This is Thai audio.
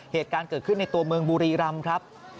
เหตุการณ์เกิดขึ้นในตัวเมืองบุรีรำครับ